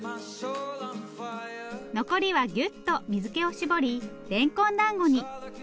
残りはギュッと水けを絞りれんこんだんごに。